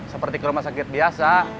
seperti ke rumah sakit biasa